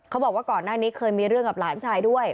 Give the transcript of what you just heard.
ก่อนหน้านี้เคยมีเรื่องกับหลานชายด้วย